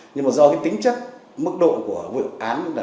nhưng do tính chất mức độ của vụ án